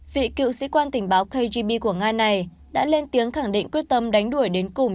vị cựu sĩ quan tình báo kgb của nga này đã lên tiếng khẳng định quyết tâm đánh đuổi đến cùng